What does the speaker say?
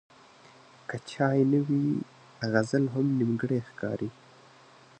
که چای نه وي، غزل هم نیمګړی ښکاري.